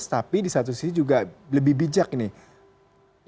tapi di satu sisi juga lebih bijak nih